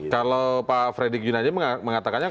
kalau pak fredy gjun aja mengatakan